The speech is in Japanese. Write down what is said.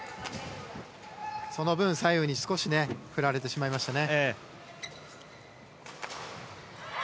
その分左右に振られてしまいましたね。